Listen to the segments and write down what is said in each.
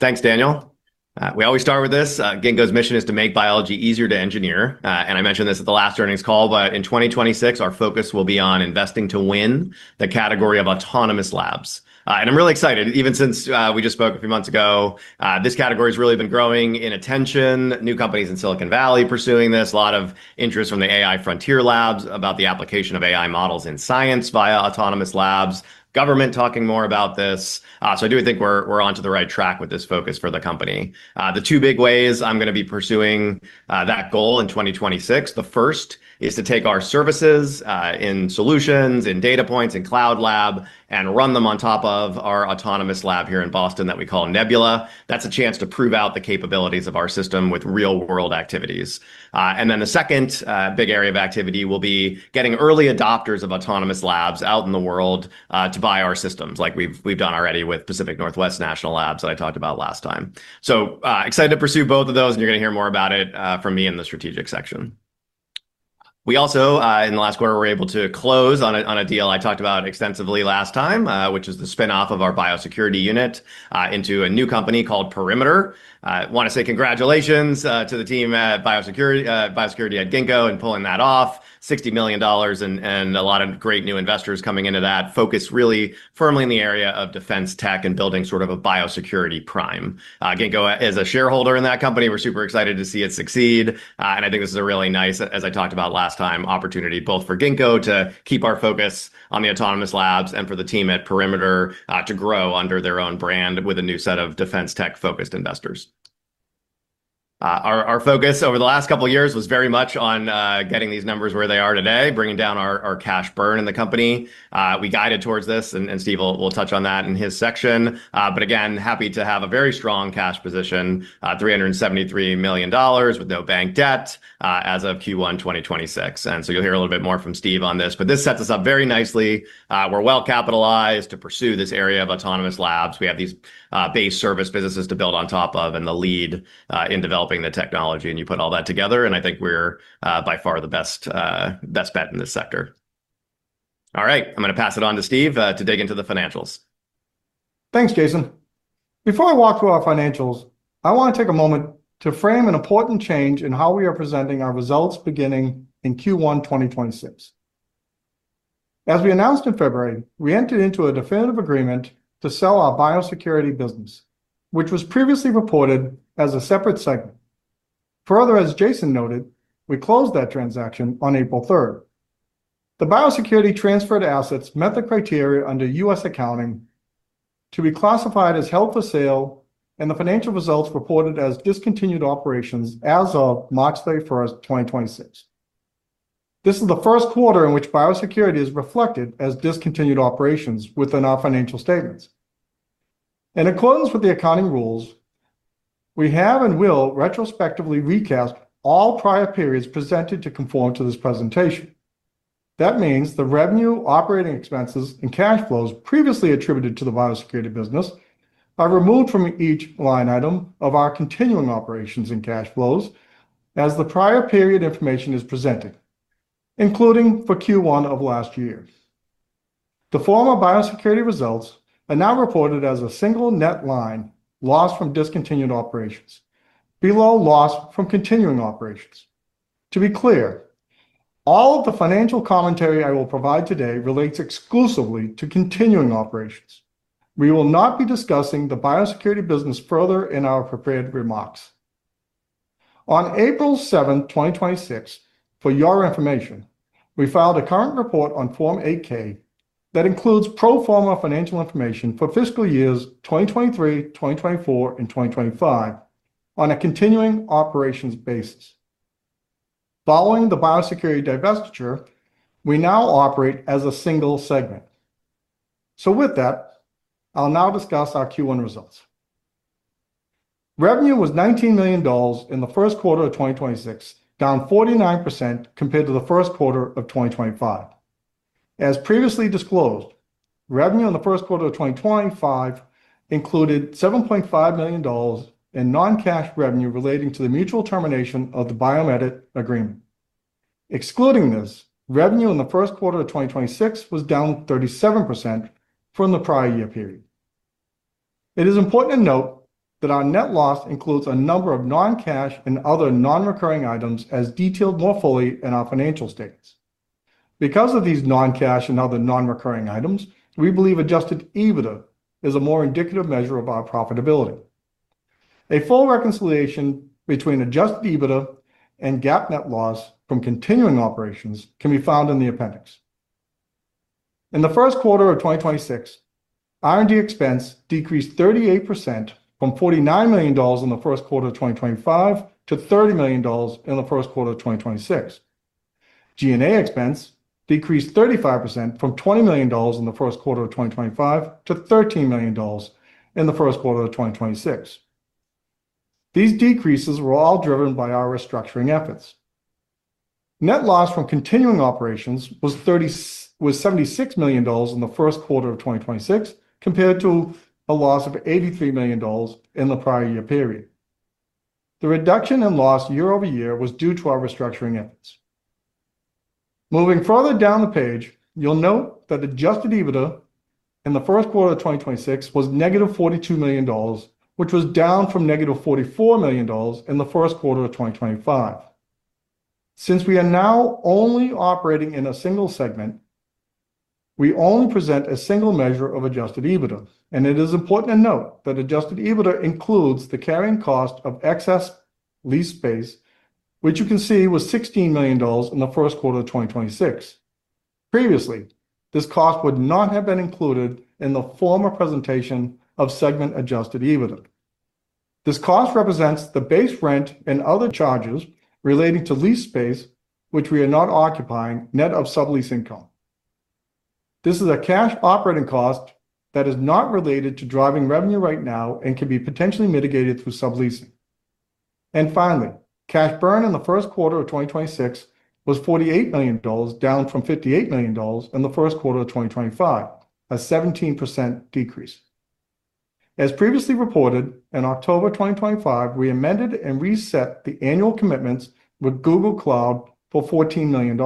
Thanks, Daniel. We always start with this, Ginkgo's mission is to make biology easier to engineer. I mentioned this at the last earnings call, but in 2026, our focus will be on investing to win the category of autonomous labs. I'm really excited, even since we just spoke a few months ago, this category has really been growing in attention, new companies in Silicon Valley pursuing this, a lot of interest from the AI frontier labs about the application of AI models in science via autonomous labs, government talking more about this. I do think we're onto the right track with this focus for the company. The two big ways I'm gonna be pursuing that goal in 2026. The first is to take our services, in solutions, in data points, in cloud lab, and run them on top of our autonomous lab here in Boston that we call Nebula. That's a chance to prove out the capabilities of our system with real-world activities. The second big area of activity will be getting early adopters of autonomous labs out in the world to buy our systems like we've done already with Pacific Northwest National Labs that I talked about last time. Excited to pursue both of those, and you're gonna hear more about it from me in the strategic section. We also in the last quarter, were able to close on a deal I talked about extensively last time, which is the spin-off of our biosecurity unit into a new company called Perimeter. I wanna say congratulations to the team at Biosecurity at Ginkgo in pulling that off. $60 million and a lot of great new investors coming into that focus really firmly in the area of defense tech and building sort of a Biosecurity prime. Ginkgo as a shareholder in that company, we're super excited to see it succeed. I think this is a really nice, as I talked about last time, opportunity both for Ginkgo to keep our focus on the autonomous labs and for the team at Perimeter to grow under their own brand with a new set of defense tech-focused investors. Our focus over the last couple of years was very much on getting these numbers where they are today, bringing down our cash burn in the company. We guided towards this, and Steve will touch on that in his section. Again, happy to have a very strong cash position, $373 million with no bank debt, as of Q1 2026. You'll hear a little bit more from Steve on this. This sets us up very nicely. We're well capitalized to pursue this area of autonomous labs. We have these base service businesses to build on top of and the lead in developing the technology. You put all that together, and I think we're by far the best, best bet in this sector. All right. I'm gonna pass it on to Steve to dig into the financials. Thanks, Jason. Before I walk through our financials, I want to take a moment to frame an important change in how we are presenting our results beginning in Q1, 2026. As we announced in February, we entered into a definitive agreement to sell our biosecurity business, which was previously reported as a separate segment. As Jason noted, we closed that transaction on April 3rd. The biosecurity transferred assets met the criteria under U.S. accounting to be classified as Held for Sale and the financial results reported as Discontinued Operations as of March 31st, 2026. This is the first quarter in which biosecurity is reflected as Discontinued Operations within our financial statements. In accordance with the accounting rules, we have and will retrospectively recast all prior periods presented to conform to this presentation. That means the revenue, operating expenses, and cash flows previously attributed to the biosecurity business are removed from each line item of our continuing operations and cash flows as the prior period information is presented, including for Q1 of last year. The former biosecurity results are now reported as a single net line loss from discontinued operations below loss from continuing operations. To be clear, all of the financial commentary I will provide today relates exclusively to continuing operations. We will not be discussing the biosecurity business further in our prepared remarks. On April 7, 2026, for your information, we filed a current report on Form 8-K that includes pro forma financial information for fiscal years 2023, 2024, and 2025 on a continuing operations basis. Following the biosecurity divestiture, we now operate as a single segment. With that, I'll now discuss our Q1 results. Revenue was $19 million in the first quarter of 2026, down 49% compared to the first quarter of 2025. As previously disclosed, revenue in the first quarter of 2025 included $7.5 million in non-cash revenue relating to the mutual termination of the BiomEdit agreement. Excluding this, revenue in the first quarter of 2026 was down 37% from the prior year period. It is important to note that our net loss includes a number of non-cash and other non-recurring items as detailed more fully in our financial statements. Because of these non-cash and other non-recurring items, we believe adjusted EBITDA is a more indicative measure of our profitability. A full reconciliation between adjusted EBITDA and GAAP net loss from continuing operations can be found in the appendix. In the first quarter of 2026, R&D expense decreased 38% from $49 million in the first quarter of 2025 to $30 million in the first quarter of 2026. G&A expense decreased 35% from $20 million in the first quarter of 2025 to $13 million in the first quarter of 2026. These decreases were all driven by our restructuring efforts. Net loss from continuing operations was $76 million in the first quarter of 2026, compared to a loss of $83 million in the prior year period. The reduction in loss year-over-year was due to our restructuring efforts. Moving further down the page, you'll note that adjusted EBITDA in the first quarter of 2026 was -$42 million, which was down from -$44 million in the first quarter of 2025. Since we are now only operating in a single segment, we only present a single measure of adjusted EBITDA. It is important to note that adjusted EBITDA includes the carrying cost of excess lease space, which you can see was $16 million in the first quarter of 2026. Previously, this cost would not have been included in the former presentation of segment adjusted EBITDA. This cost represents the base rent and other charges relating to lease space which we are not occupying, net of sublease income. This is a cash operating cost that is not related to driving revenue right now and can be potentially mitigated through subleasing. Finally, cash burn in the first quarter of 2026 was $48 million, down from $58 million in the first quarter of 2025, a 17% decrease. As previously reported, in October 2025, we amended and reset the annual commitments with Google Cloud for $14 million.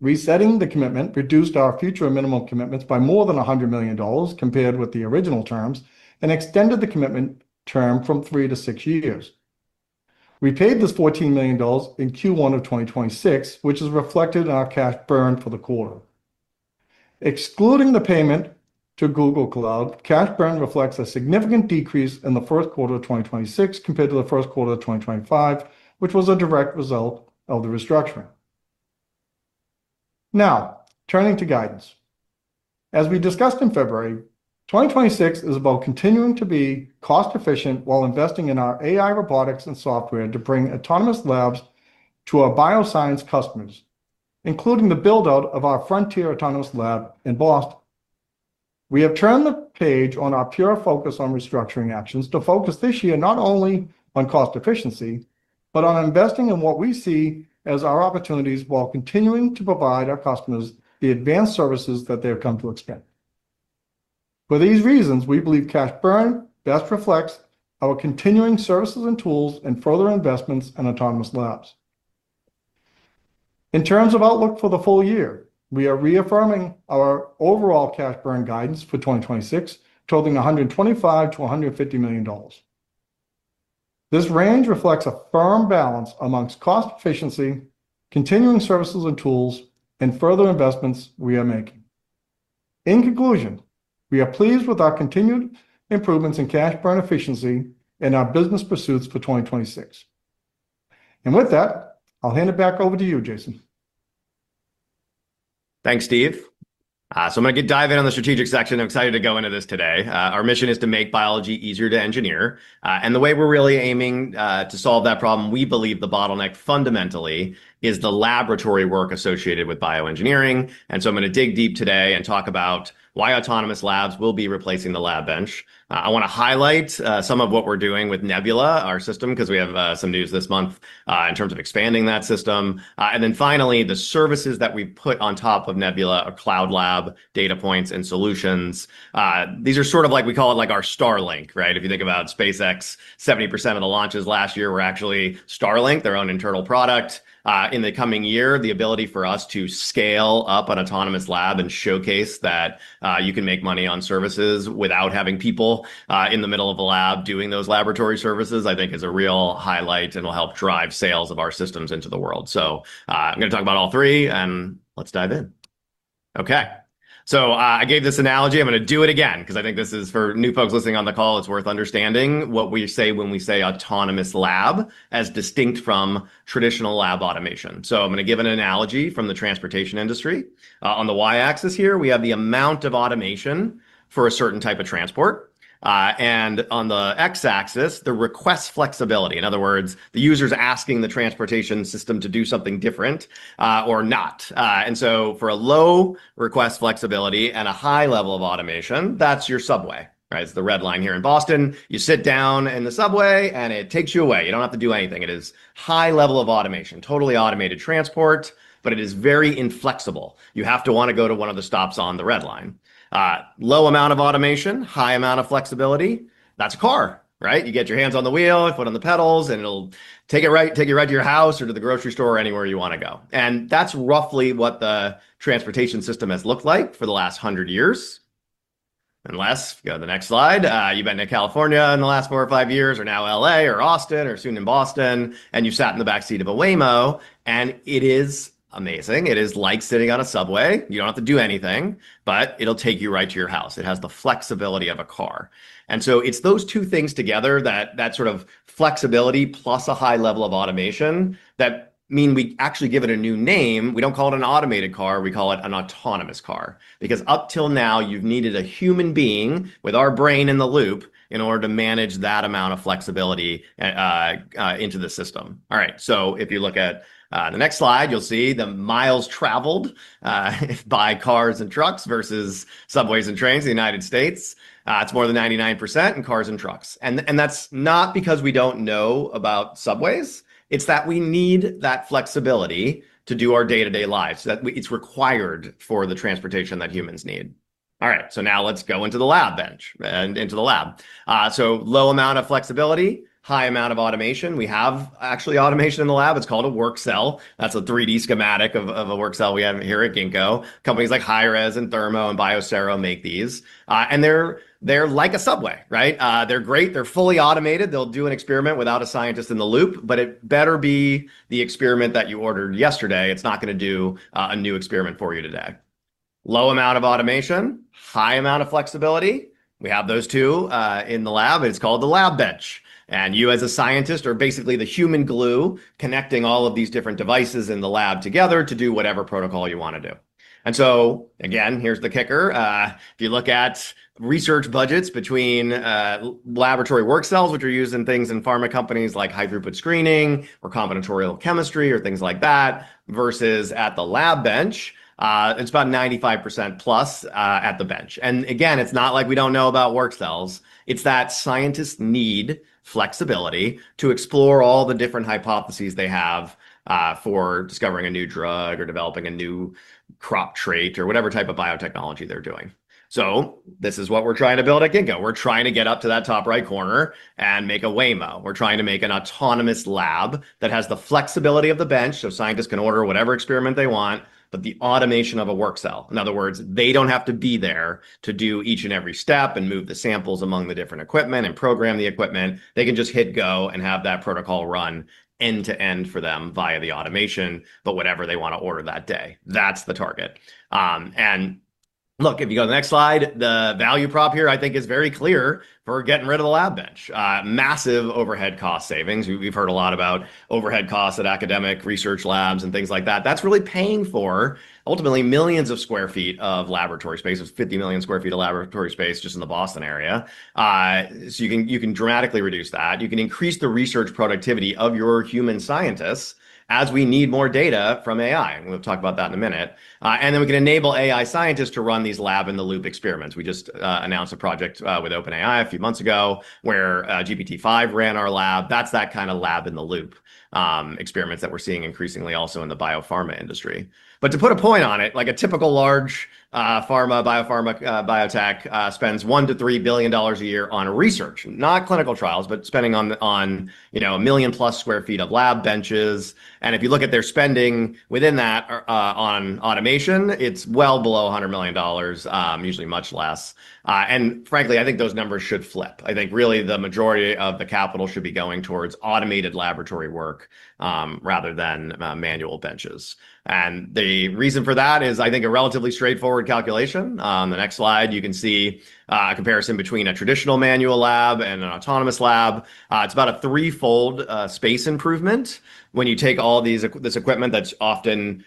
Resetting the commitment reduced our future minimum commitments by more than $100 million compared with the original terms, and extended the commitment term from three to six years. We paid this $14 million in Q1 of 2026, which is reflected in our cash burn for the quarter. Excluding the payment to Google Cloud, cash burn reflects a significant decrease in the first quarter of 2026 compared to the first quarter of 2025, which was a direct result of the restructuring. Turning to guidance. As we discussed in February, 2026 is about continuing to be cost-efficient while investing in our AI robotics and software to bring autonomous labs to our bioscience customers, including the build-out of our frontier autonomous lab in Boston. We have turned the page on our pure focus on restructuring actions to focus this year not only on cost efficiency, but on investing in what we see as our opportunities while continuing to provide our customers the advanced services that they have come to expect. For these reasons, we believe cash burn best reflects our continuing services and tools and further investments in autonomous labs. In terms of outlook for the full year, we are reaffirming our overall cash burn guidance for 2026, totaling $125 million-$150 million. This range reflects a firm balance amongst cost efficiency, continuing services and tools, and further investments we are making. In conclusion, we are pleased with our continued improvements in cash burn efficiency and our business pursuits for 2026. With that, I'll hand it back over to you, Jason. Thanks, Steve. I'm gonna dive in on the strategic section. I'm excited to go into this today. Our mission is to make biology easier to engineer. The way we're really aiming, to solve that problem, we believe the bottleneck fundamentally is the laboratory work associated with bioengineering. I'm gonna dig deep today and talk about why autonomous labs will be replacing the lab bench. I wanna highlight, some of what we're doing with Nebula, our system, 'cause we have, some news this month, in terms of expanding that system. Finally, the services that we put on top of Nebula are Cloud Lab, Datapoints, and Solutions. These are sort of like, we call it like our Starlink, right? If you think about SpaceX, 70% of the launches last year were actually Starlink, their own internal product. In the coming year, the ability for us to scale up an autonomous lab and showcase that you can make money on services without having people in the middle of a lab doing those laboratory services, I think is a real highlight and will help drive sales of our systems into the world. I'm gonna talk about all three, and let's dive in. I gave this analogy. I'm gonna do it again 'cause I think this is, for new folks listening on the call, it's worth understanding what we say when we say "autonomous lab" as distinct from traditional lab automation. I'm gonna give an analogy from the transportation industry. On the Y-axis here, we have the amount of automation for a certain type of transport. On the X-axis, the request flexibility. In other words, the user's asking the transportation system to do something different, or not. For a low request flexibility and a high level of automation, that's your subway, right? It's the Red Line here in Boston. You sit down in the subway, and it takes you away. You don't have to do anything. It is high level of automation, totally automated transport, but it is very inflexible. You have to wanna go to one of the stops on the Red Line. Low amount of automation, high amount of flexibility, that's a car, right? You get your hands on the wheel, your foot on the pedals, it'll take you right to your house or to the grocery store or anywhere you want to go. That's roughly what the transportation system has looked like for the last 100 years. Unless, go to the next slide, you've been to California in the last four or five years, or now L.A. or Austin or soon in Boston, and you've sat in the back seat of a Waymo, and it is amazing. It is like sitting on a subway. You don't have to do anything, it'll take you right to your house. It has the flexibility of a car. It's those two things together that sort of flexibility plus a high level of automation that mean we actually give it a new name. We don't call it an automated car. We call it an autonomous car because up till now, you've needed a human being with our brain in the loop in order to manage that amount of flexibility into the system. If you look at the next slide, you'll see the miles traveled by cars and trucks versus subways and trains in the U.S. It's more than 99% in cars and trucks. That's not because we don't know about subways. It's that we need that flexibility to do our day-to-day lives, it's required for the transportation that humans need. Now let's go into the lab bench and into the lab. Low amount of flexibility, high amount of automation. We have actually automation in the lab. It's called a workcell. That's a 3D schematic of a workcell we have here at Ginkgo. Companies like HighRes and Thermo and Biosero make these. They're like a subway, right? They're great. They're fully automated. They'll do an experiment without a scientist in the loop, it better be the experiment that you ordered yesterday. It's not gonna do a new experiment for you today. Low amount of automation, high amount of flexibility. We have those two in the lab. It's called the lab bench. You as a scientist are basically the human glue connecting all of these different devices in the lab together to do whatever protocol you wanna do. Again, here's the kicker. If you look at research budgets between laboratory workcells, which are used in things in pharma companies like high-throughput screening or combinatorial chemistry or things like that, versus at the lab bench, it's about 95%+ at the bench. Again, it's not like we don't know about workcells. It's that scientists need flexibility to explore all the different hypotheses they have for discovering a new drug or developing a new crop trait or whatever type of biotechnology they're doing. This is what we're trying to build at Ginkgo. We're trying to get up to that top right corner and make a Waymo. We're trying to make an autonomous lab that has the flexibility of the bench, so scientists can order whatever experiment they want, but the automation of a workcell. In other words, they don't have to be there to do each and every step and move the samples among the different equipment and program the equipment. They can just hit go and have that protocol run end-to-end for them via the automation, but whatever they wanna order that day. That's the target. Look, if you go to the next slide, the value prop here I think is very clear for getting rid of the lab bench. Massive overhead cost savings. We've heard a lot about overhead costs at academic research labs and things like that. That's really paying for ultimately millions of square feet of laboratory space. There's 50 million sq ft of laboratory space just in the Boston area. You can dramatically reduce that. You can increase the research productivity of your human scientists as we need more data from AI, and we'll talk about that in a minute. We can enable AI scientists to run these lab-in-the-loop experiments. We just announced a project with OpenAI a few months ago where GPT-5 ran our lab. That's that kind of lab-in-the-loop experiments that we're seeing increasingly also in the biopharma industry. To put a point on it, like a typical large pharma, biopharma, biotech spends $1 billion-$3 billion a year on research. Not clinical trials, spending on, you know, 1 million+ sq ft of lab benches. If you look at their spending within that or on automation, it's well below $100 million, usually much less. Frankly, I think those numbers should flip. I think really the majority of the capital should be going towards automated laboratory work, rather than manual benches. The reason for that is, a relatively straightforward calculation. On the next slide, you can see a comparison between a traditional manual lab and an autonomous lab. It's about a threefold space improvement when you take this equipment that's often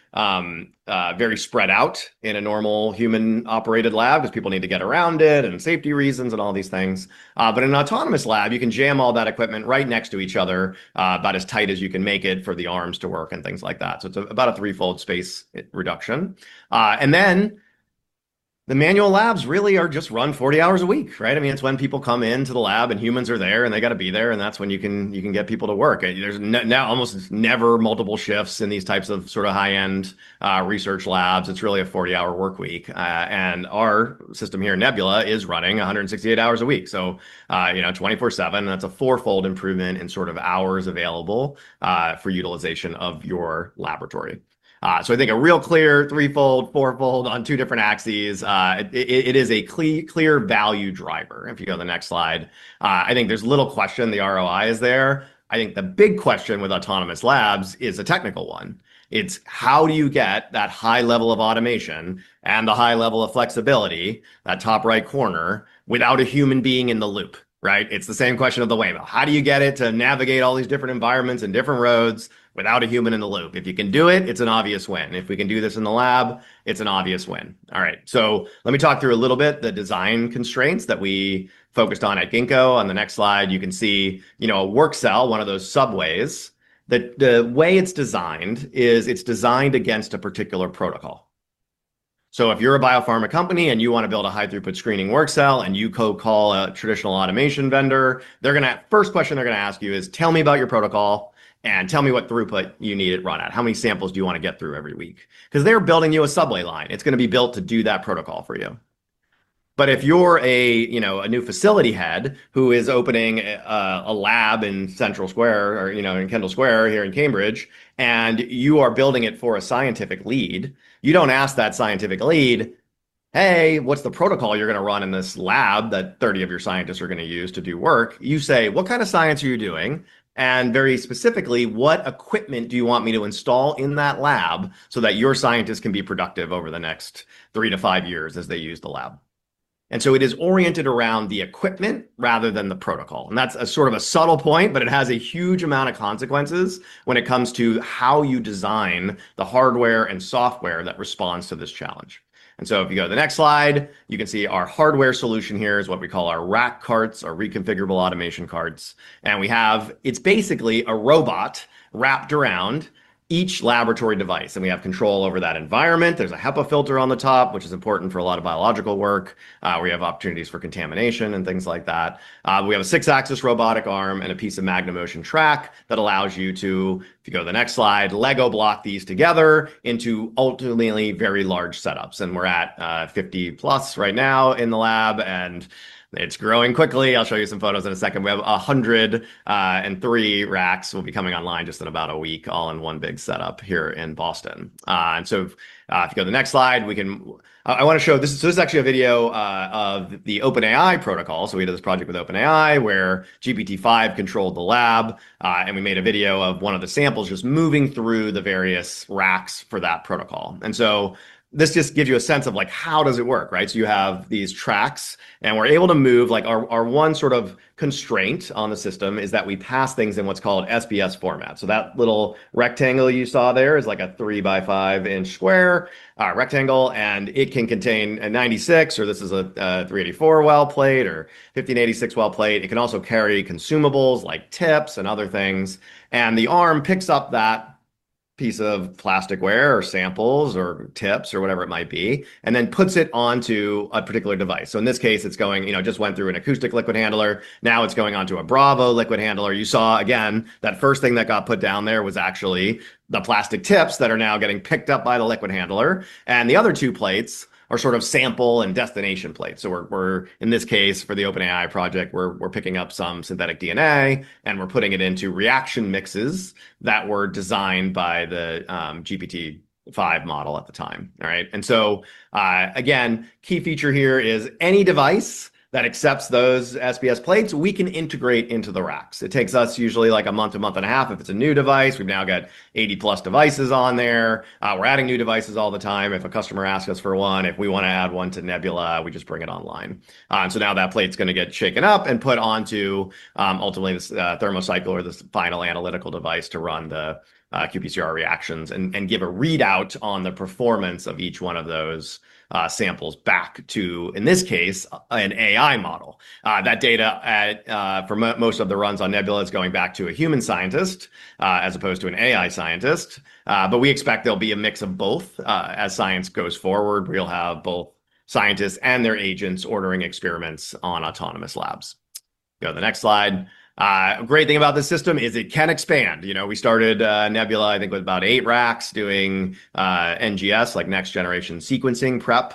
very spread out in a normal human-operated lab 'cause people need to get around it and safety reasons and all these things. In an autonomous lab, you can jam all that equipment right next to each other, about as tight as you can make it for the arms to work and things like that. It's about a threefold space reduction. Then the manual labs really are just run 40 hours a week, right? I mean, it's when people come into the lab and humans are there and they gotta be there, and that's when you can get people to work. There's now almost never multiple shifts in these types of sorta high-end research labs. It's really a 40-hour work week. Our system here in Nebula is running 168 hours a week. You know, 24/7, that's a fourfold improvement in sort of hours available for utilization of your laboratory. I think a real clear threefold, fourfold on two different axes. It is a clear value driver. If you go to the next slide. I think there's little question the ROI is there. I think the big question with autonomous labs is a technical one. It's how do you get that high level of automation and the high level of flexibility, that top right corner, without a human being in the loop, right? It's the same question of the Waymo. How do you get it to navigate all these different environments and different roads without a human in the loop? If you can do it's an obvious win. If we can do this in the lab, it's an obvious win. All right, let me talk through a little bit the design constraints that we focused on at Ginkgo. On the next slide, you can see, you know, a workcell, one of those subways. The way it's designed is it's designed against a particular protocol. If you're a biopharma company and you wanna build a high-throughput screening workcell and you call a traditional automation vendor, the first question they're gonna ask you is, "Tell me about your protocol and tell me what throughput you need it run at. How many samples do you wanna get through every week?" 'Cause they're building you a subway line. It's gonna be built to do that protocol for you. If you're a, new facility head who is opening a lab in Central Square or, in Kendall Square here in Cambridge, and you are building it for a scientific lead, you don't ask that scientific lead, "Hey, what's the protocol you're gonna run in this lab that 30 of your scientists are gonna use to do work?" You say, "What kind of science are you doing? Very specifically, what equipment do you want me to install in that lab so that your scientists can be productive over the next three to five years as they use the lab?" So it is oriented around the equipment rather than the protocol. That's a sort of a subtle point, but it has a huge amount of consequences when it comes to how you design the hardware and software that responds to this challenge. If you go to the next slide, you can see our hardware solution here is what we call our RAC carts, our reconfigurable automation carts. It's basically a robot wrapped around each laboratory device, and we have control over that environment. There's a HEPA filter on the top, which is important for a lot of biological work, where you have opportunities for contamination and things like that. We have a six-axis robotic arm and a piece of MagneMotion track that allows you to, if you go to the next slide, lego block these together into ultimately very large setups. We're at 50+ right now in the lab, and it's growing quickly. I'll show you some photos in a second. We have 103 RACs will be coming online just in about a week, all in one big setup here in Boston. If you go to the next slide, I wanna show. This is actually a video of the OpenAI protocol. We did this project with OpenAI, where GPT-5 controlled the lab, and we made a video of one of the samples just moving through the various racks for that protocol. This just gives you a sense of, like, how does it work, right? You have these tracks, and we're able to move, like, our one sort of constraint on the system is that we pass things in what's called SBS format. That little rectangle you saw there is, like, a 3x5 in sq, rectangle, and it can contain a 96, or this is a 384-well plate or 1,586-well plate. It can also carry consumables like tips and other things. The arm picks up that piece of plastic ware or samples or tips or whatever it might be, and then puts it onto a particular device. In this case, it's going, you know, just went through an acoustic liquid handler. Now it's going onto a Bravo liquid handler. You saw, that first thing that got put down there was actually the plastic tips that are now getting picked up by the liquid handler. The other two plates are sort of sample and destination plates. We're, in this case, for the OpenAI project, we're picking up some synthetic DNA, and we're putting it into reaction mixes that were designed by the GPT-5 model at the time, right? Again, key feature here is any device that accepts those SBS plates, we can integrate into the racks. It takes us usually, like, a month to month and a half if it's a new device. We've now got 80+ devices on there. We're adding new devices all the time. If a customer asks us for one, if we wanna add one to Nebula, we just bring it online. Now that plate's going to get shaken up and put onto ultimately this thermocycler or this final analytical device to run the qPCR reactions and give a readout on the performance of each one of those samples back to, in this case, an AI model. That data from most of the runs on Nebula is going back to a human scientist as opposed to an AI scientist. We expect there will be a mix of both as science goes forward. We will have both scientists and their agents ordering experiments on autonomous labs. Go to the next slide. A great thing about this system is it can expand. You know, we started Nebula, I think, with about eight racks doing NGS, like, Next-Generation Sequencing prep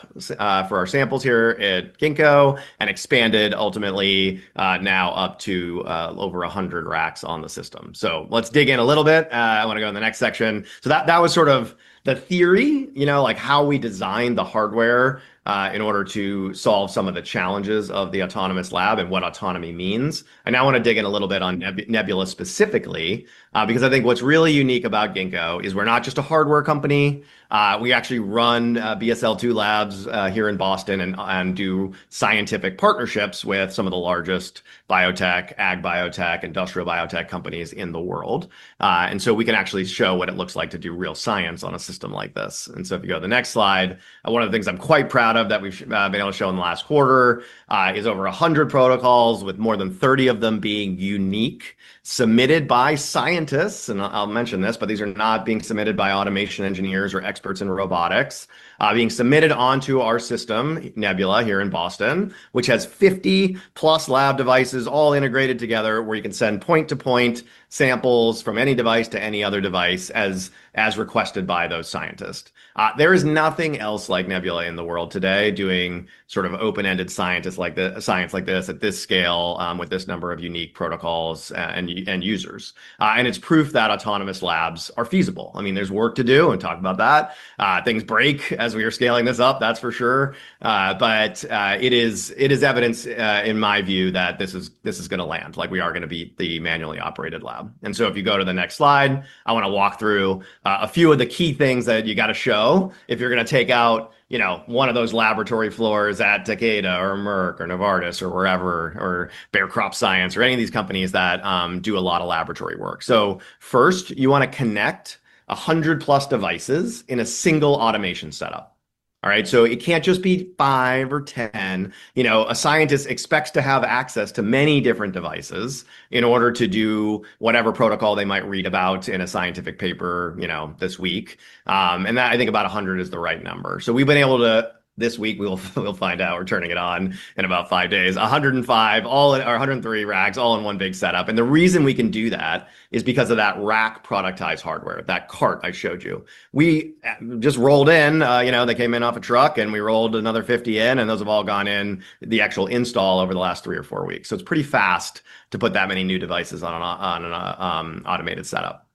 for our samples here at Ginkgo and expanded ultimately, now up to over 100 racks on the system. Let's dig in a little bit. I wanna go in the next section. That, that was sort of the theory, like how we designed the hardware in order to solve some of the challenges of the autonomous lab and what autonomy means. Now I wanna dig in a little bit on Nebula specifically, because I think what's really unique about Ginkgo is we're not just a hardware company. We actually run BSL-2 labs here in Boston and do scientific partnerships with some of the largest biotech, ag biotech, industrial biotech companies in the world. We can actually show what it looks like to do real science on a system like this. If you go to the next slide, one of the things I'm quite proud of that we've been able to show in the last quarter is over 100 protocols with more than 30 of them being unique, submitted by scientists. I'll mention this, but these are not being submitted by automation engineers or experts in robotics, being submitted onto our system, Nebula, here in Boston, which has 50+ lab devices all integrated together, where you can send point-to-point samples from any device to any other device as requested by those scientists. There is nothing else like Nebula in the world today doing sort of open-ended science like this at this scale, with this number of unique protocols and users. It's proof that autonomous labs are feasible. There's work to do and talk about that. Things break as we are scaling this up, that's for sure. It is evidence, in my view that this is, this is gonna land. Like, we are gonna be the manually operated lab. If you go to the next slide, I wanna walk through a few of the key things that you gotta show if you're gonna take out, one of those laboratory floors at Takeda or Merck or Novartis or wherever or Bayer Crop Science or any of these companies that do a lot of laboratory work. First, you wanna connect 100 plus devices in a single automation setup. It can't just be five or 10. You know, a scientist expects to have access to many different devices in order to do whatever protocol they might read about in a scientific paper, you know, this week. And that, I think about 100 is the right number. We've been able to this week, we'll find out. We're turning it on in about five days. 105 all or 103 RACs all in one big setup. The reason we can do that is because of that RAC productized hardware, that cart I showed you. We just rolled in, you know, they came in off a truck, and we rolled another 50 in, and those have all gone in the actual install over the last three or four weeks. It's pretty fast to put that many new devices on a, on an automated setup.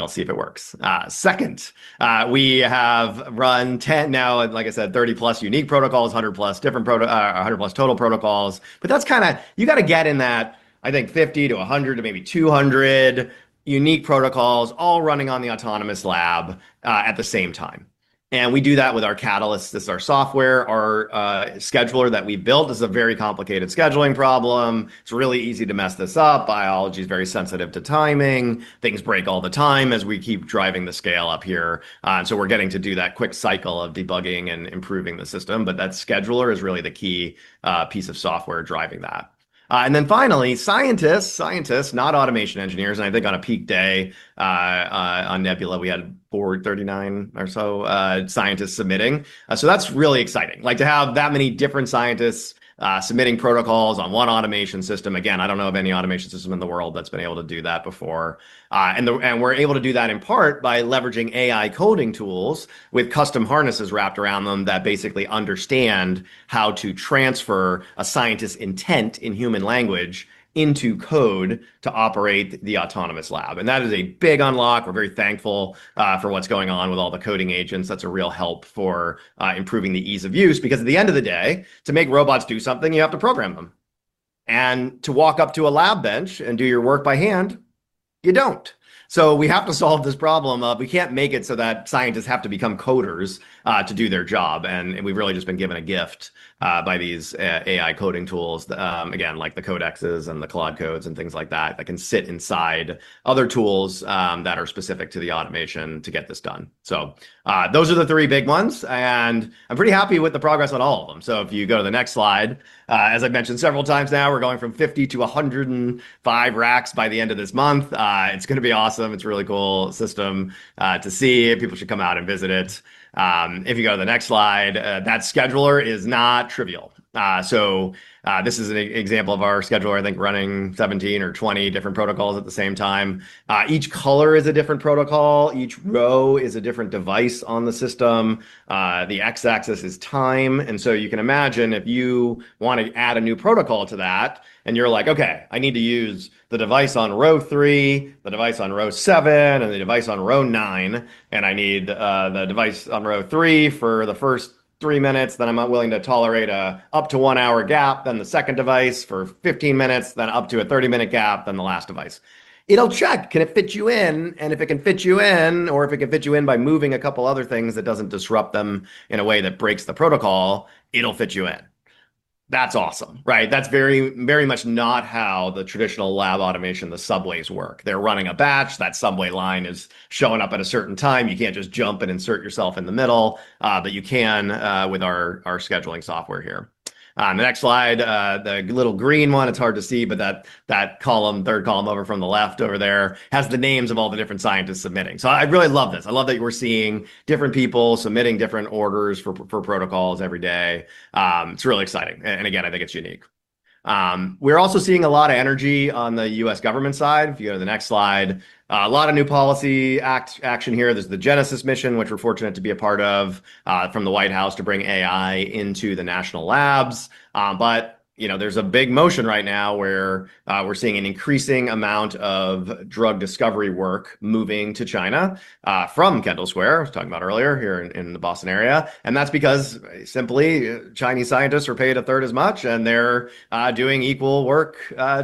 We'll see if it works. Second, we have run 10 now, like I said, 30+ unique protocols, 100+ different, 100+ total protocols. That's, you gotta get in that, I think, 50 to 100 to maybe 200 unique protocols all running on the autonomous lab at the same time. We do that with our Catalyst. This is our software. Our scheduler that we built. This is a very complicated scheduling problem. It is really easy to mess this up. Biology is very sensitive to timing. Things break all the time as we keep driving the scale up here. We are getting to do that quick cycle of debugging and improving the system. That scheduler is really the key piece of software driving that. Finally, scientists, not automation engineers, I think on a peak day on Nebula, we had 439 or so scientists submitting. That is really exciting. Like, to have that many different scientists submitting protocols on one automation system, again, I do not know of any automation system in the world that has been able to do that before. We're able to do that in part by leveraging AI coding tools with custom harnesses wrapped around them that basically understand how to transfer a scientist's intent in human language into code to operate the autonomous lab. That is a big unlock. We're very thankful for what's going on with all the coding agents. That's a real help for improving the ease of use because at the end of the day, to make robots do something, you have to program them. To walk up to a lab bench and do your work by hand, you don't. We have to solve this problem of we can't make it so that scientists have to become coders to do their job, and we've really just been given a gift by these AI coding tools, again, like the Codexes and the Claude Code and things like that can sit inside other tools that are specific to the automation to get this done. Those are the three big ones, and I'm pretty happy with the progress on all of them. If you go to the next slide, as I've mentioned several times now, we're going from 50 to 105 RACs by the end of this month. It's gonna be awesome. It's a really cool system to see. People should come out and visit it. If you go to the next slide, that scheduler is not trivial. This is an example of our scheduler, I think, running 17 or 20 different protocols at the same time. Each color is a different protocol. Each row is a different device on the system. The X-axis is time. You can imagine if you wanna add a new protocol to that and you're like, Okay, I need to use the device on row three, the device on row seven, and the device on row nine, and I need the device on row three for the first three minutes, then I'm willing to tolerate a up to one-hour gap, then the second device for 15 minutes, then up to a 30-minute gap, then the last device, it'll check can it fit you in, and if it can fit you in, or if it can fit you in by moving a couple other things that doesn't disrupt them in a way that breaks the protocol, it'll fit you in. That's awesome, right. That's very, very much not how the traditional lab automation, the subways work. They're running a batch. That subway line is showing up at a certain time. You can't just jump and insert yourself in the middle, but you can with our scheduling software here. The next slide, the little green one, it's hard to see, but that column, third column over from the left over there, has the names of all the different scientists submitting. I really love this. I love that we're seeing different people submitting different orders for protocols every day. It's really exciting. Again, I think it's unique. We're also seeing a lot of energy on the U.S. government side. If you go to the next slide, a lot of new policy action here. There's the Genesis Mission, which we're fortunate to be a part of from the White House to bring AI into the national labs. There's a big motion right now where we're seeing an increasing amount of drug discovery work moving to China, from Kendall Square, I was talking about earlier, here in the Boston area. That's because simply Chinese scientists are paid a third as much. They're doing equal work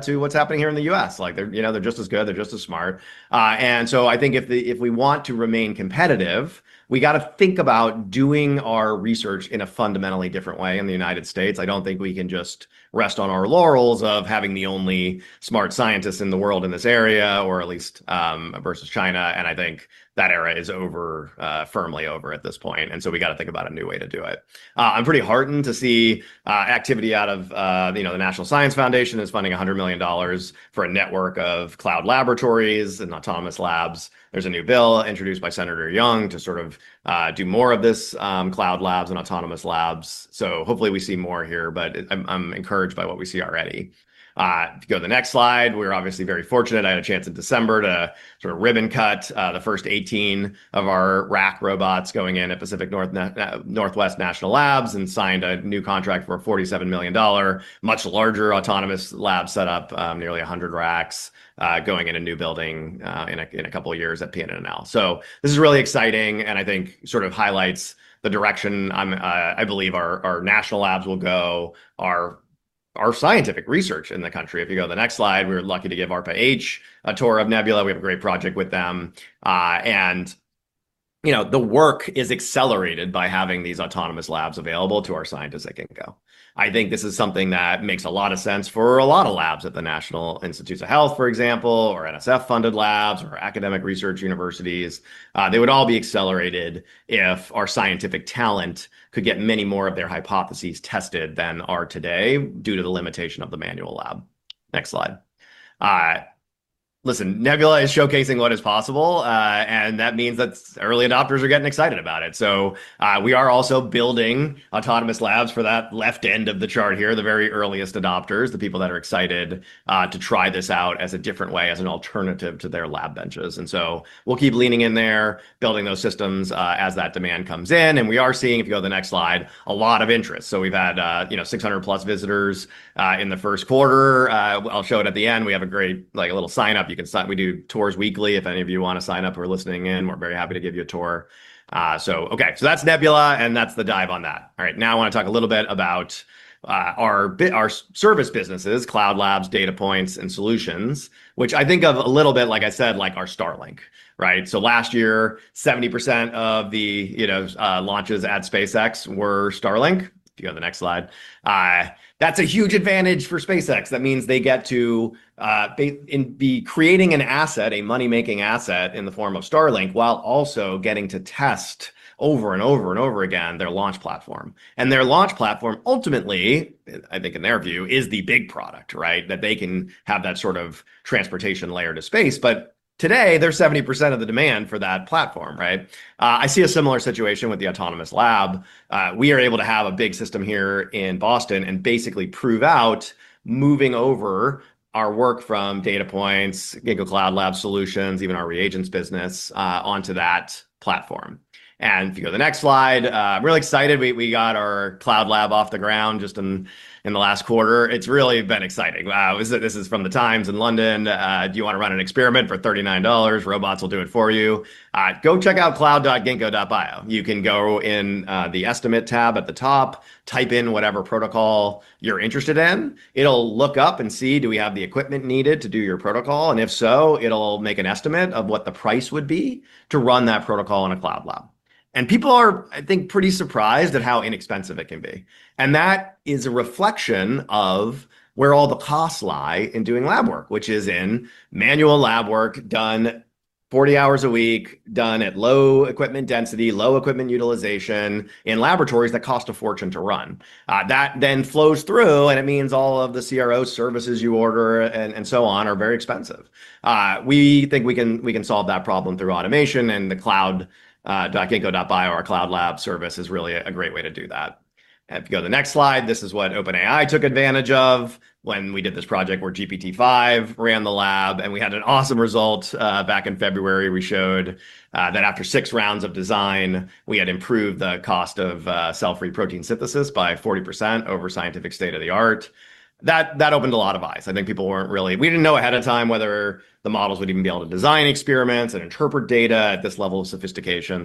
to what's happening here in the U.S. Like they're, you know, they're just as good, they're just as smart. I think if we want to remain competitive, we gotta think about doing our research in a fundamentally different way in the United States. I don't think we can just rest on our laurels of having the only smart scientists in the world in this area or at least versus China. I think that era is over, firmly over at this point. We gotta think about a new way to do it. I'm pretty heartened to see activity out of, the National Science Foundation is funding $100 million for a network of cloud laboratories and autonomous labs. There's a new bill introduced by Senator Young to sort of do more of this, cloud labs and autonomous labs. Hopefully we see more here, but I'm encouraged by what we see already. If you go to the next slide, we're obviously very fortunate. I had a chance in December to sort of ribbon cut the first 18 of our RACs going in at Pacific Northwest National Laboratory and signed a new contract for a $47 million much larger autonomous lab setup, nearly 100 RACs going in a new building in a couple of years at PNNL. This is really exciting and I think sort of highlights the direction I believe our national labs will go, our scientific research in the country. If you go to the next slide, we were lucky to give ARPA-H a tour of Nebula. We have a great project with them. The work is accelerated by having these autonomous labs available to our scientists at Ginkgo. I think this is something that makes a lot of sense for a lot of labs at the National Institutes of Health, for example, or NSF-funded labs or academic research universities. They would all be accelerated if our scientific talent could get many more of their hypotheses tested than are today due to the limitation of the manual lab. Next slide. Listen, Nebula is showcasing what is possible, and that means that early adopters are getting excited about it. We are also building autonomous labs for that left end of the chart here, the very earliest adopters, the people that are excited to try this out as a different way, as an alternative to their lab benches. We'll keep leaning in there, building those systems as that demand comes in. We are seeing, if you go to the next slide, a lot of interest. We've had, you know, 600+ visitors in the first quarter. I'll show it at the end. We have a great, like a little sign-up. We do tours weekly if any of you wanna sign up who are listening in. We're very happy to give you a tour. Okay. That's Nebula, and that's the dive on that. Now I wanna talk a little bit about our service businesses, cloud labs, data points, and solutions, which I think of a little bit like I said, like our Starlink. Last year, 70% of the, launches at SpaceX were Starlink. If you go to the next slide. That's a huge advantage for SpaceX. That means they get to be creating an asset, a money-making asset in the form of Starlink, while also getting to test over and over and over again their launch platform. Their launch platform ultimately, I think in their view, is the big product. That they can have that sort of transportation layer to space. Today, they're 70% of the demand for that platform. I see a similar situation with the autonomous lab. We are able to have a big system here in Boston and basically prove out moving over our work from Ginkgo Datapoints, Ginkgo Cloud Lab Solutions, even our reagents business onto that platform. If you go to the next slide, I'm really excited we got our Cloud Lab off the ground just in the last quarter. It's really been exciting. This is from The Times. "Do you wanna run an experiment for $39? Robots will do it for you." Go check out cloud.ginkgo.bio. You can go in the estimate tab at the top, type in whatever protocol you're interested in. It'll look up and see do we have the equipment needed to do your protocol, and if so, it'll make an estimate of what the price would be to run that protocol in a cloud lab. People are, I think, pretty surprised at how inexpensive it can be, and that is a reflection of where all the costs lie in doing lab work, which is in manual lab work done 40 hours a week, done at low equipment density, low equipment utilization in laboratories that cost a fortune to run. That then flows through, it means all of the CRO services you order and so on are very expensive. We think we can solve that problem through automation and the cloud.ginkgo.bio, our Ginkgo Cloud Lab service is really a great way to do that. If you go to the next slide, this is what OpenAI took advantage of when we did this project where GPT-5 ran the lab. We had an awesome result. Back in February, we showed that after six rounds of design, we had improved the cost of cell-free protein synthesis by 40% over scientific state-of-the-art. That opened a lot of eyes. I think people weren't really, we didn't know ahead of time whether the models would even be able to design experiments and interpret data at this level of sophistication.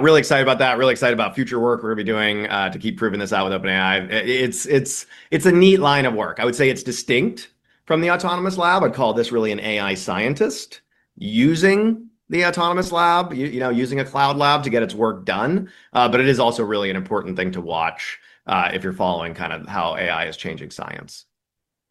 Really excited about that. Really excited about future work we're gonna be doing to keep proving this out with OpenAI. It's a neat line of work. I would say it's distinct from the autonomous lab. I'd call this really an AI scientist using the autonomous lab, using a cloud lab to get its work done. It is also really an important thing to watch if you're following kind of how AI is changing science.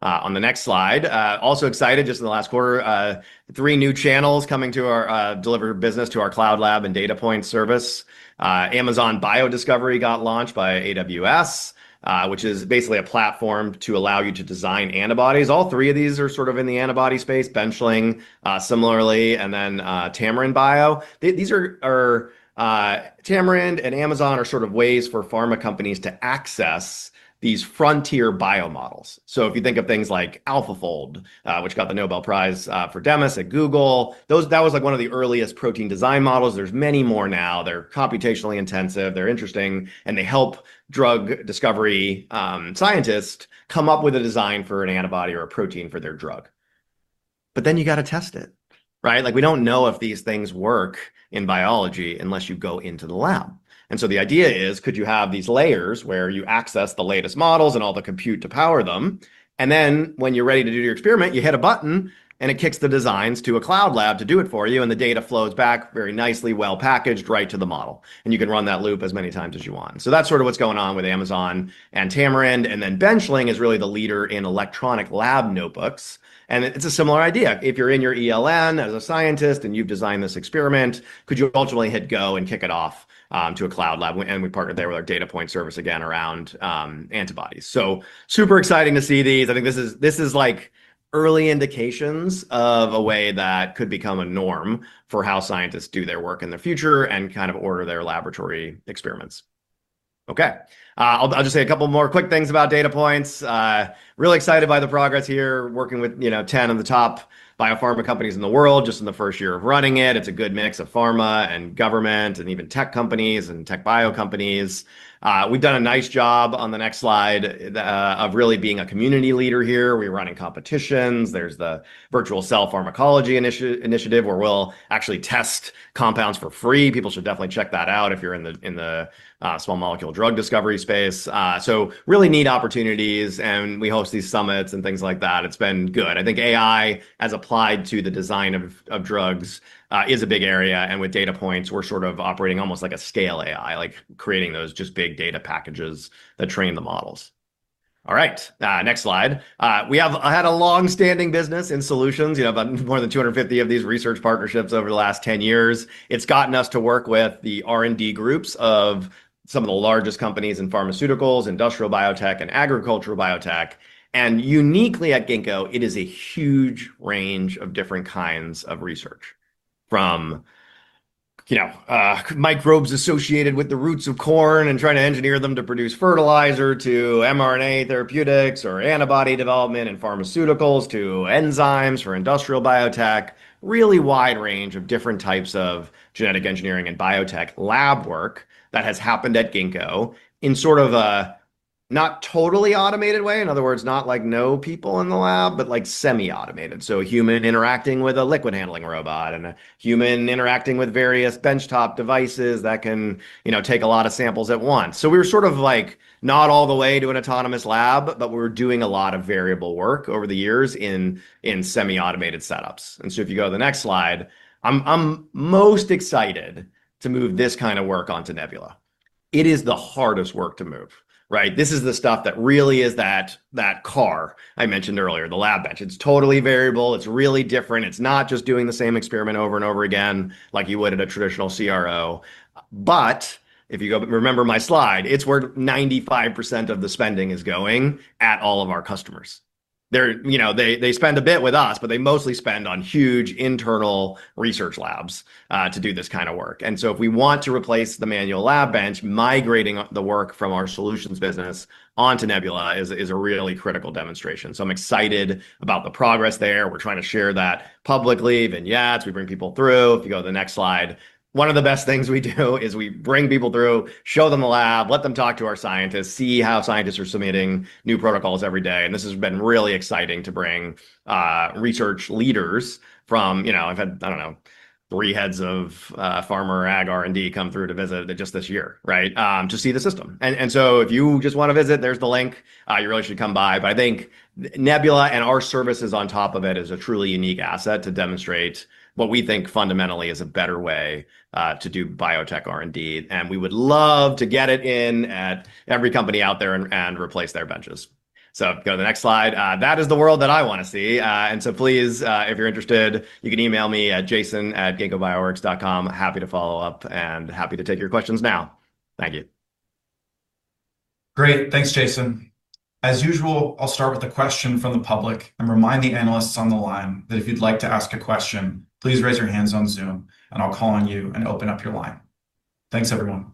On the next slide. Also excited, just in the last quarter, three new channels coming to our deliver business to our cloud lab and Ginkgo Datapoints service. Amazon Bio Discovery got launched by AWS, which is basically a platform to allow you to design antibodies. All three of these are sort of in the antibody space. Benchling, similarly, and then, Tamarind Bio. These are Tamarind and Amazon are sort of ways for pharma companies to access these frontier bio models. If you think of things like AlphaFold, which got the Nobel Prize for Demis at Google, those that was like one of the earliest protein design models. There's many more now. They're computationally intensive, they're interesting, and they help drug discovery scientists come up with a design for an antibody or a protein for their drug. You gotta test it. Like, we don't know if these things work in biology unless you go into the lab. The idea is, could you have these layers where you access the latest models and all the compute to power them, then when you're ready to do your experiment, you hit a button and it kicks the designs to a cloud lab to do it for you, and the data flows back very nicely, well-packaged, right to the model, and you can run that loop as many times as you want. That's sort of what's going on with Amazon and Tamarind, then Benchling is really the leader in electronic lab notebooks. It's a similar idea. If you're in your ELN as a scientist and you've designed this experiment, could you ultimately hit go and kick it off to a cloud lab? We partnered there with our Datapoints service again around antibodies. Super exciting to see these. I think this is like early indications of a way that could become a norm for how scientists do their work in the future and kind of order their laboratory experiments. Okay. I'll just say a couple more quick things about data points. Really excited by the progress here, working with, 10 of the top biopharma companies in the world just in the first year of running it. It's a good mix of pharma and government and even tech companies and tech bio companies. We've done a nice job, on the next slide, of really being a community leader here. We're running competitions. There's the Virtual Cell Pharmacology Initiative where we'll actually test compounds for free. People should definitely check that out if you're in the small molecule drug discovery space. Really neat opportunities, and we host these summits and things like that. It's been good. I think AI as applied to the design of drugs, is a big area, and with Datapoints, we're sort of operating almost like a Scale AI, like creating those just big data packages that train the models. All right, next slide. We have had a long-standing business in Solutions. We have more than 250 of these research partnerships over the last 10 years. It's gotten us to work with the R&D groups of some of the largest companies in pharmaceuticals, industrial biotech, and agricultural biotech. Uniquely at Ginkgo, it is a huge range of different kinds of research, from, microbes associated with the roots of corn and trying to engineer them to produce fertilizer to mRNA therapeutics or antibody development in pharmaceuticals to enzymes for industrial biotech. Really wide range of different types of genetic engineering and biotech lab work that has happened at Ginkgo in sort of a not totally automated way. In other words, not like no people in the lab, but like semi-automated. A human interacting with a liquid handling robot and a human interacting with various benchtop devices that can, take a lot of samples at once. We were sort of like not all the way to an autonomous lab, but we were doing a lot of variable work over the years in semi-automated setups. If you go to the next slide, I'm most excited to move this kind of work onto Nebula. It is the hardest work to move, right? This is the stuff that really is that car I mentioned earlier, the lab bench. It is totally variable. It is really different. It is not just doing the same experiment over-and-over again like you would at a traditional CRO. If you go remember my slide, it is where 95% of the spending is going at all of our customers. They spend a bit with us, but they mostly spend on huge internal research labs to do this kind of work. If we want to replace the manual lab bench, migrating the work from our solutions business onto Nebula is a really critical demonstration. I'm excited about the progress there. We're trying to share that publicly. Vignettes, we bring people through. If you go to the next slide. One of the best things we do is we bring people through, show them the lab, let them talk to our scientists, see how scientists are submitting new protocols every day, and this has been really exciting to bring research leaders from, three heads of pharma or ag R&D come through to visit just this year. To see the system. If you just wanna visit, there's the link. You really should come by. I think Nebula and our services on top of it is a truly unique asset to demonstrate what we think fundamentally is a better way to do biotech R&D, and we would love to get it in at every company out there and replace their benches. Go to the next slide. That is the world that I wanna see. Please, if you're interested, you can email me at jason@ginkgobioworks.com. Happy to follow up and happy to take your questions now. Thank you. Thanks, Jason. As usual, I'll start with a question from the public and remind the analysts on the line that if you'd like to ask a question, please raise your hands on Zoom, and I'll call on you and open up your line. Thanks, everyone.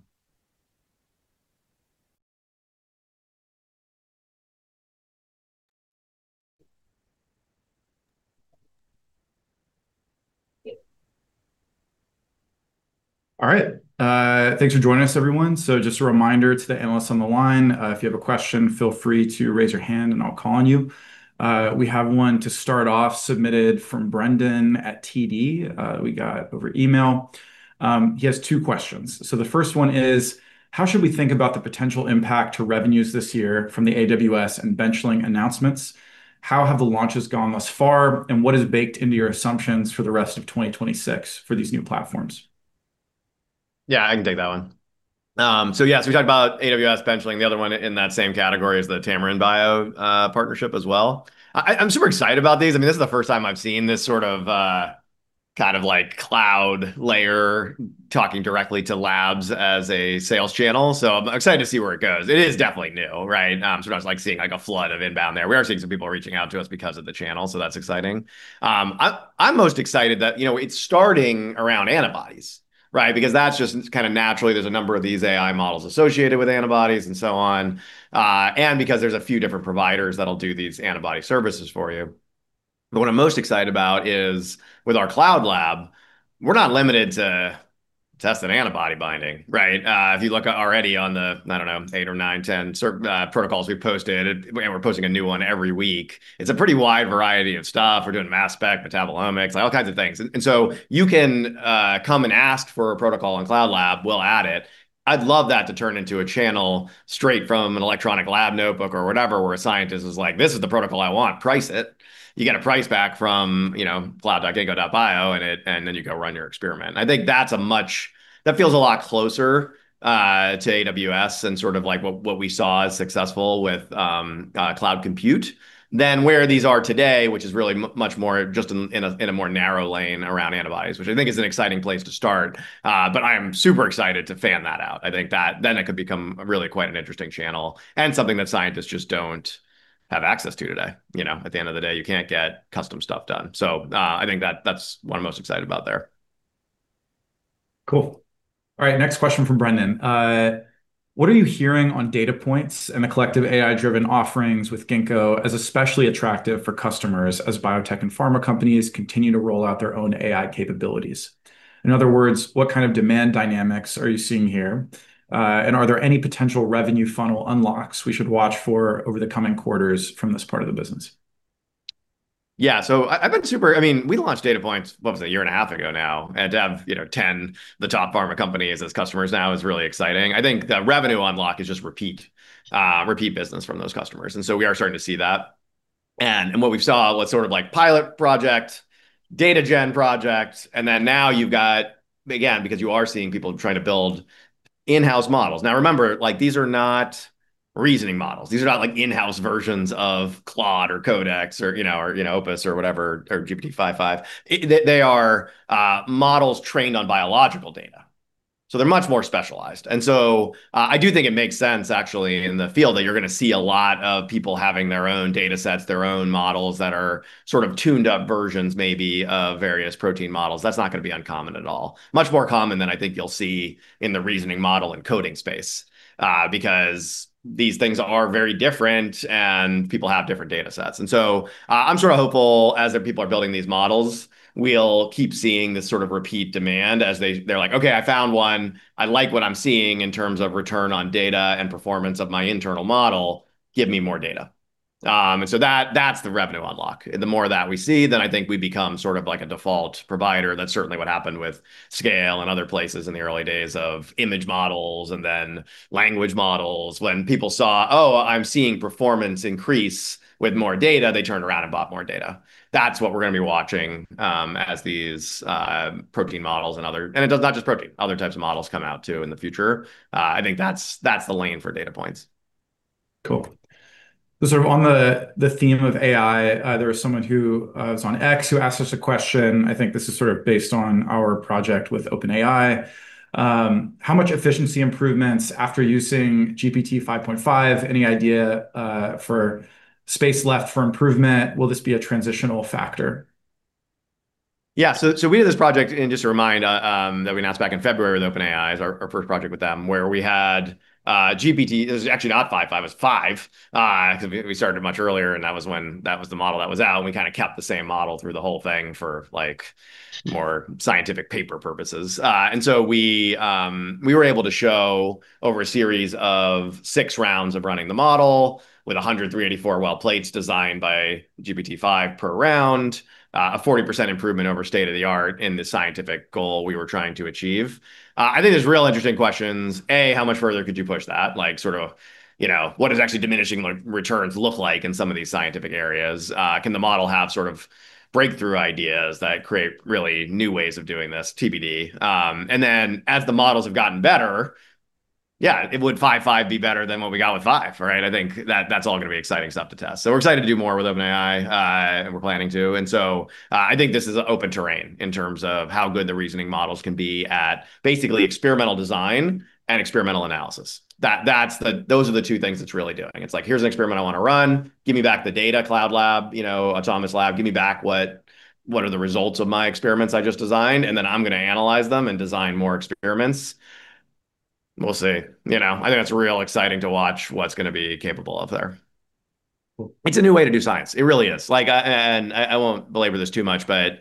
All right. Thanks for joining us, everyone. Just a reminder to the analysts on the line, if you have a question, feel free to raise your hand and I'll call on you. We have one to start off submitted from Brendan at TD, we got over email. He has two questions. The first one is: How should we think about the potential impact to revenues this year from the AWS and Benchling announcements? How have the launches gone thus far, and what is baked into your assumptions for the rest of 2026 for these new platforms? I can take that one. Yes, we talked about AWS Benchling, the other one in that same category is the Tamarind Bio partnership as well. I'm super excited about these. I mean, this is the first time I've seen this sort of kind of like cloud layer talking directly to labs as a sales channel, I'm excited to see where it goes. It is definitely new. We're not like seeing a flood of inbound there. We are seeing some people reaching out to us because of the channel. That's exciting. I'm most excited that, it's starting around antibodies. That's just kind of naturally there's a number of these AI models associated with antibodies and so on, because there's a few different providers that'll do these antibody services for you. What I'm most excited about is with our cloud lab, we're not limited to test an antibody binding. If you look already on the, I don't know, eight or nine, 10 protocols we've posted, and we're posting a new one every week. It's a pretty wide variety of stuff. We're doing mass spec, metabolomics, all kinds of things. So you can come and ask for a protocol on Ginkgo Cloud Lab, we'll add it. I'd love that to turn into a channel straight from an electronic lab notebook or whatever, where a scientist is like, "This is the protocol I want. Price it." You get a price back from, you know, cloud.ginkgo.bio, and then you go run your experiment. I think that feels a lot closer to AWS and sort of like what we saw as successful with cloud compute than where these are today, which is really much more just in a more narrow lane around antibodies, which I think is an exciting place to start. I am super excited to fan that out. I think that then it could become really quite an interesting channel and something that scientists just don't have access to today. At the end of the day, you can't get custom stuff done. I think that's what I'm most excited about there. Next question from Brendan. What are you hearing on Ginkgo Datapoints and the collective AI-driven offerings with Ginkgo as especially attractive for customers as biotech and pharma companies continue to roll out their own AI capabilities? In other words, what kind of demand dynamics are you seeing here? Are there any potential revenue funnel unlocks we should watch for over the coming quarters from this part of the business? We launched Datapoints, what was it, a year and a half ago now. To have, 10 the top pharma companies as customers now is really exciting. I think the revenue unlock is just repeat business from those customers. We are starting to see that. What we saw was sort of like pilot project, data gen project, and then now you've got, again, because you are seeing people trying to build in-house models. Now remember, like these are not reasoning models. These are not like in-house versions of Claude or Codex or, Opus or whatever, or GPT 5.5. They are models trained on biological data, so they're much more specialized. I do think it makes sense actually in the field that you're going to see a lot of people having their own datasets, their own models that are sort of tuned-up versions maybe of various protein models. That's not going to be uncommon at all. Much more common than I think you'll see in the reasoning model and coding space because these things are very different, and people have different datasets. I'm sort of hopeful as the people are building these models, we'll keep seeing this sort of repeat demand as they're like, "Okay, I found one. I like what I'm seeing in terms of return on data and performance of my internal model. Give me more data." That's the revenue unlock. The more of that we see, I think we become sort of like a default provider. That's certainly what happened with Scale AI and other places in the early days of image models and then language models. When people saw, "Oh, I'm seeing performance increase with more data," they turned around and bought more data. That's what we're going to be watching as these protein models and it does not just protein, other types of models come out too in the future. I think that's the lane for Ginkgo Datapoints. Sort of on the theme of AI, there was someone who was on X who asked us a question. I think this is sort of based on our project with OpenAI. How much efficiency improvements after using GPT 5.5? Any idea for space left for improvement? Will this be a transitional factor? We did this project, just to remind, that we announced back in February with OpenAI as our first project with them, where we had GPT. It was actually not 5.5, it was 5, 'cause we started much earlier, and that was when that was the model that was out, and we kinda kept the same model through the whole thing for, more scientific paper purposes. We were able to show over a series of six rounds of running the model with 100 384-well plates designed by GPT 5 per round, a 40% improvement over state-of-the-art in the scientific goal we were trying to achieve. I think there's real interesting questions. A. How much further could you push that? Like sort of, what does actually diminishing re-returns look like in some of these scientific areas? Can the model have sort of breakthrough ideas that create really new ways of doing this TBD? As the models have gotten better, it would 5.5 be better than what we got with 5. I think that's all gonna be exciting stuff to test. We're excited to do more with OpenAI, and we're planning to. I think this is open terrain in terms of how good the reasoning models can be at basically experimental design and experimental analysis. Those are the two things it's really doing. It's like, "Here's an experiment I wanna run. Give me back the data, Cloud Lab, autonomous lab. Give me back what are the results of my experiments I just designed, and then I'm gonna analyze them and design more experiments." We'll see. I think that's real exciting to watch what it's gonna be capable of there. It's a new way to do science. It really is. I won't belabor this too much, the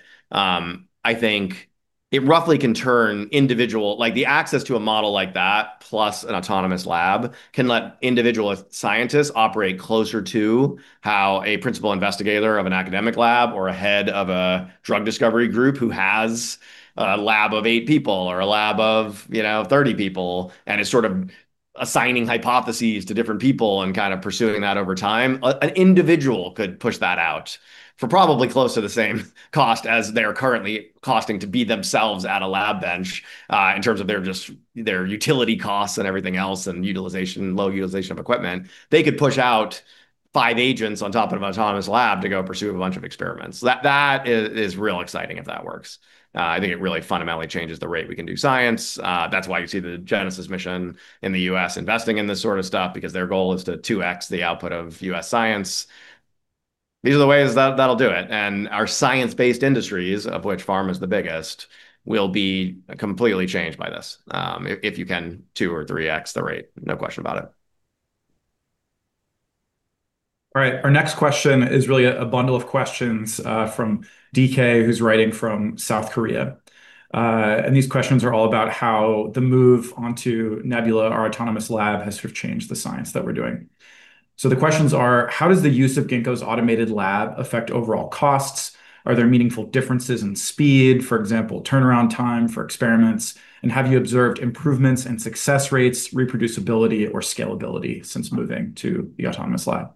access to a model like that plus an autonomous lab can let individual scientists operate closer to how a principal investigator of an academic lab or a head of a drug discovery group who has a lab of eight people or a lab of, 30 people and is sort of assigning hypotheses to different people and kind of pursuing that over time. An individual could push that out for probably close to the same cost as they're currently costing to be themselves at a lab bench, in terms of their utility costs and everything else, and utilization, low utilization of equipment. They could push out five agents on top of an autonomous lab to go pursue a bunch of experiments. That is real exciting if that works. I think it really fundamentally changes the rate we can do science. That's why you see the Genesis Mission in the U.S. investing in this sort of stuff because their goal is to 2x the output of U.S. science. These are the ways that that'll do it. Our science-based industries, of which pharma's the biggest, will be completely changed by this. If you can 2x or 3x the rate, no question about it. Our next question is really a bundle of questions from DK who's writing from South Korea. These questions are all about how the move onto Nebula, our autonomous lab, has sort of changed the science that we're doing. The questions are, how does the use of Ginkgo's automated lab affect overall costs? Are there meaningful differences in speed, for example, turnaround time for experiments? Have you observed improvements in success rates, reproducibility, or scalability since moving to the autonomous lab?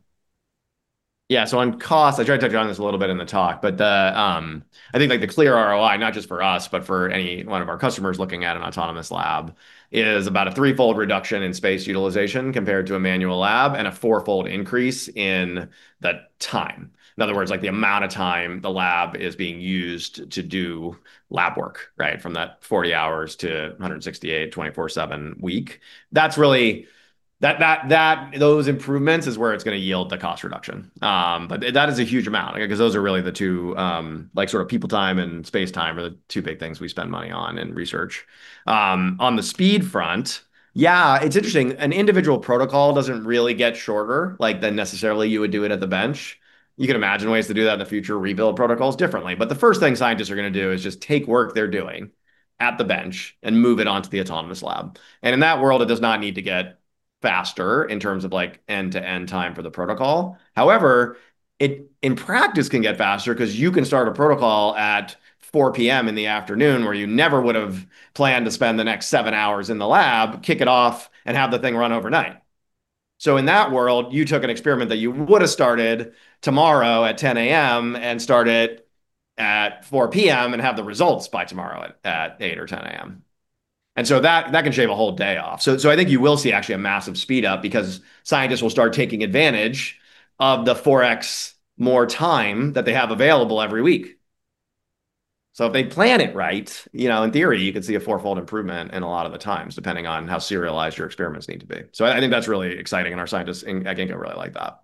On cost, I tried to touch on this a little bit in the talk, but I think, the clear ROI, not just for us, but for any one of our customers looking at an autonomous lab, is about a threefold reduction in space utilization compared to a manual lab and a four-fold increase in the time. In other words, the amount of time the lab is being used to do lab work, right? From that 40 hours to 168, 24/7 week. That's really those improvements is where it's gonna yield the cost reduction. That is a huge amount, 'cause those are really the two, like, sort of people time and space time are the two big things we spend money on in research. On the speed front, it's interesting. An individual protocol doesn't really get shorter, like, than necessarily you would do it at the bench. You can imagine ways to do that in the future, rebuild protocols differently. The first thing scientists are gonna do is just take work they're doing at the bench and move it onto the autonomous lab. In that world, it does not need to get faster in terms of, end-to-end time for the protocol. However, it, in practice, can get faster 'cause you can start a protocol at 4:00 P.M. in the afternoon where you never would have planned to spend the next seven hours in the lab, kick it off, and have the thing run overnight. In that world, you took an experiment that you would've started tomorrow at 10:00 A.M. and start it at 4:00 P.M. and have the results by tomorrow at 8:00 A.M. or 10:00 A.M. That can shave a whole day off. I think you will see actually a massive speed up because scientists will start taking advantage of the 4x more time that they have available every week. If they plan it right, in theory, you could see a four-fold improvement in a lot of the times, depending on how serialized your experiments need to be. I think that's really exciting, and our scientists at Ginkgo really like that.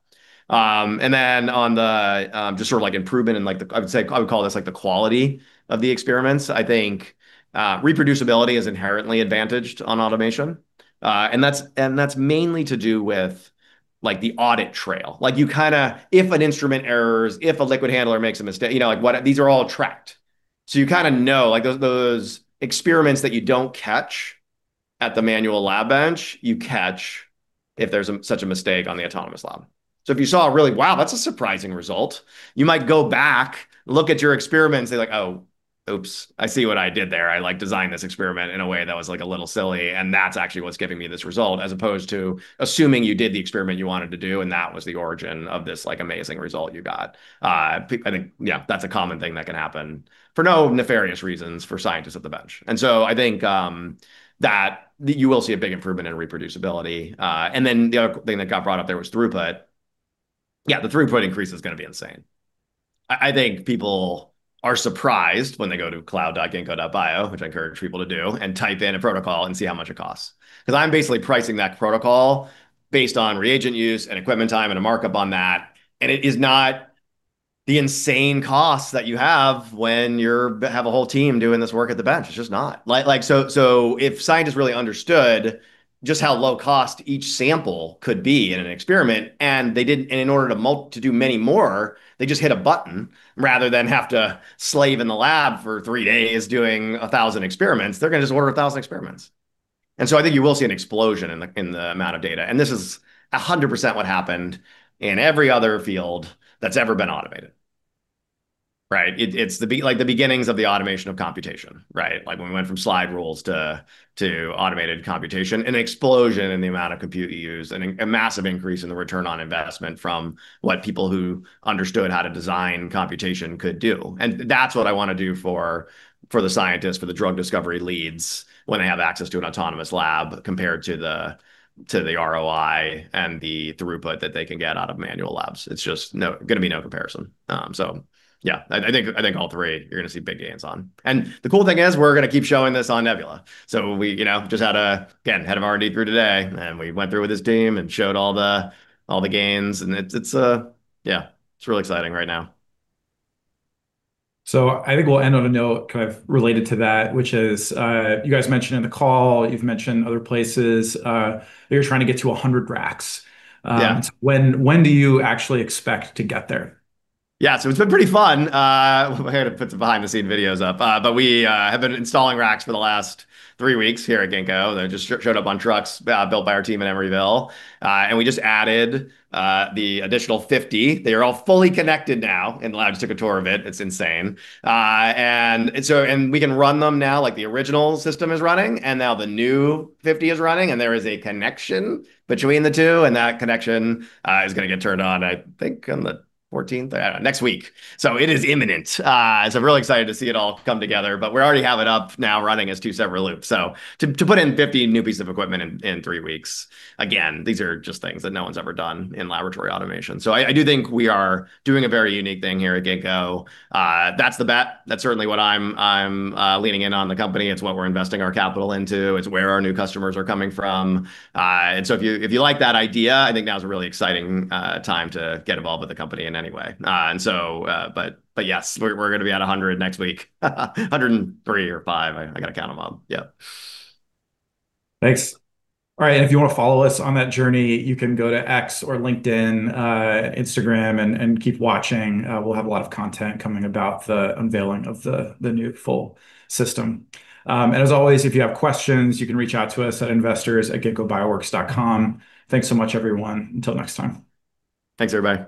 On the just sort of, improvement and, I would call this, the quality of the experiments. I think reproducibility is inherently advantaged on automation, and that's mainly to do with, the audit trail. Like, you kinda. If an instrument errors, if a liquid handler makes a mistake. These are all tracked. You kinda know, those experiments that you don't catch at the manual lab bench, you catch if there's such a mistake on the autonomous lab. If you saw a really, wow, that's a surprising result, you might go back, look at your experiment, and say like, "Oh, oops, I see what I did there. I designed this experiment in a way that was, a little silly, and that's actually what's giving me this result." As opposed to assuming you did the experiment you wanted to do and that was the origin of this, like, amazing result you got. That's a common thing that can happen for no nefarious reasons for scientists at the bench. I think that you will see a big improvement in reproducibility. The other thing that got brought up there was throughput. The throughput increase is gonna be insane. I think people are surprised when they go to cloud.ginkgo.bio, which I encourage people to do, and type in a protocol and see how much it costs. 'Cause I'm basically pricing that protocol based on reagent use and equipment time and a markup on that, and it is not the insane cost that you have when you have a whole team doing this work at the bench. It's just not. Like if scientists really understood just how low-cost each sample could be in an experiment, in order to do many more, they just hit a button rather than have to slave in the lab for three days doing 1,000 experiments, they're gonna just order 1,000 experiments. I think you will see an explosion in the amount of data, and this is 100% what happened in every other field that's ever been automated. It's like the beginnings of the automation of computation. Like when we went from slide rules to automated computation, an explosion in the amount of compute you use and a massive increase in the ROI from what people who understood how to design computation could do. That's what I want to do for the scientists, for the drug discovery leads when they have access to an autonomous lab compared to the ROI and the throughput that they can get out of manual labs. It's just going to be no comparison. I think all three you're going to see big gains on. The cool thing is we're going to keep showing this on Nebula. We just had a, again, head of R&D through today, and we went through with his team and showed all the gains and it's real exciting right now. I think we'll end on a note kind of related to that, which is, you guys mentioned in the call, you've mentioned other places, that you're trying to get to 100 RACs. When do you actually expect to get there? It's been pretty fun. We're here to put some behind the scene videos up. We have been installing racks for the last three weeks here at Ginkgo. They just showed up on trucks, built by our team in Emeryville. We just added the additional 50. They are all fully connected now, and the lab just took a tour of it. It's insane. We can run them now, like the original system is running, and now the new 50 is running, and there is a connection between the two, and that connection is gonna get turned on, I think, on the 14th. I don't know. Next week. It is imminent. Really excited to see it all come together, but we already have it up now running as two separate loops. To put in 50 new pieces of equipment in three weeks, again, these are just things that no one's ever done in laboratory automation. I do think we are doing a very unique thing here at Ginkgo. That's the bet. That's certainly what I'm leaning in on the company. It's what we're investing our capital into. It's where our new customers are coming from. If you like that idea, I think now is a really exciting time to get involved with the company in any way. Yes, we're gonna be at 100 next week. 103 or 105. I gotta count 'em up. Thanks. All right, if you wanna follow us on that journey, you can go to X or LinkedIn, Instagram and keep watching. We'll have a lot of content coming about the unveiling of the new full system. As always, if you have questions, you can reach out to us at investors@ginkgobioworks.com. Thanks so much, everyone. Until next time. Thanks, everybody.